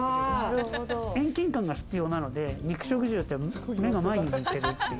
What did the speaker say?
遠近感が必要なので、肉食獣って目が前についている。